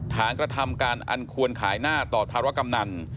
กระทำการอันควรขายหน้าต่อธารกำนัน